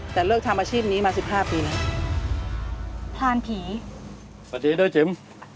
แต่เลิกทำอาชีพนี้มาสิบห้าปีแล้วพรานผีสวัสดีด้วยจิ๋ม